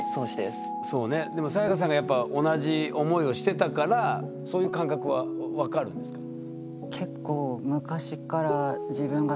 サヤカさんがやっぱ同じ思いをしてたからそういう感覚はわかるんですか？